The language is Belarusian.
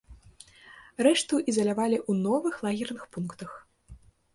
Рэшту ізалявалі ў новых лагерных пунктах.